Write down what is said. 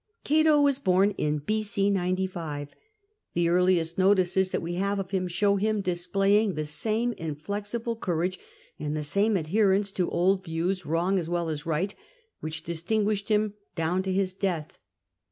Cato was born in B.o, 95. The earliest notices that we have of him show him displaying the same inflexible courage and the same adherence to old views, wrong as well as right, which distinguished him down to his death.